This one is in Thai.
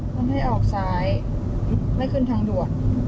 ไม่ให้ออกซ้ายไม่ขึ้นทางด่วน